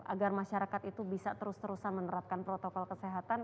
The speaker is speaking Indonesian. agar masyarakat itu bisa terus terusan menerapkan protokol kesehatan